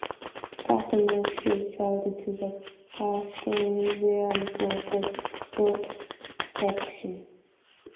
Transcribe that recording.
Customs officials fled to Castle William for protection.